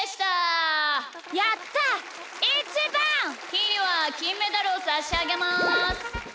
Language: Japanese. ひーにはきんメダルをさしあげます！